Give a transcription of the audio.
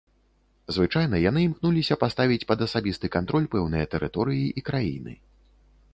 Звычайна яны імкнуліся паставіць пад асабісты кантроль пэўныя тэрыторыі і краіны.